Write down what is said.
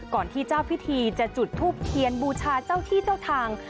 ที่เจ้าพิธีจะจุดทูบเทียนบูชาเจ้าที่เจ้าทาง